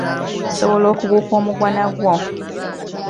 Nsobola okubuuka omuguwa nagwo.